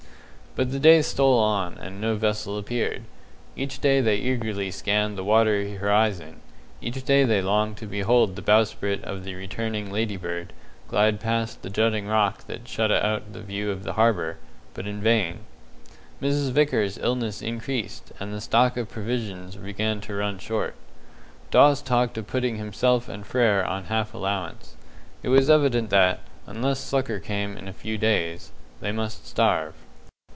But the days stole on, and no vessel appeared. Each day they eagerly scanned the watery horizon; each day they longed to behold the bowsprit of the returning Ladybird glide past the jutting rock that shut out the view of the harbour but in vain. Mrs. Vickers's illness increased, and the stock of provisions began to run short. Dawes talked of putting himself and Frere on half allowance. It was evident that, unless succour came in a few days, they must starve.